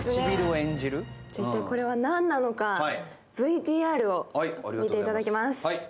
一体、これは何なのか、ＶＴＲを見ていただきます。